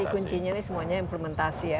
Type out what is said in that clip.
kuncinya ini semuanya implementasi ya